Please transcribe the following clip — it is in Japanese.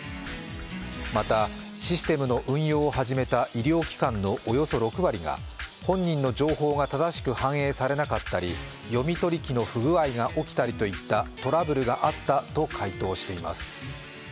また、システムの運用を始めた医療機関のおよそ６割が本人の情報が正しく反映されなかったり読み取り機の不具合が起きたりといったトラブルがあったと回答しています。